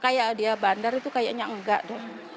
kayak dia bandar itu kayaknya enggak deh